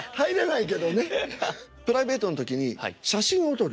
プライベートの時に写真を撮る？